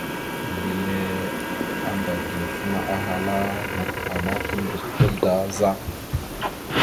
Mbile anga ideŋfaŋa, ahala: « Nakw ana kimbrec naɗ da za? ».